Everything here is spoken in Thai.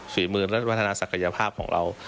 ฝีมือและพัฒนาศักยภาพของเรา